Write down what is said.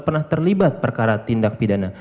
pernah terlibat perkara tindak pidana